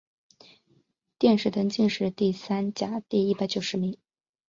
殿试登进士第三甲第一百九十名。